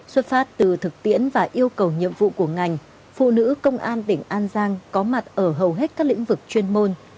xuất phát từ thực tiễn và yêu cầu nhiệm vụ của ngành phụ nữ công an tỉnh an giang có mặt ở hầu hết các lĩnh vực chuyên môn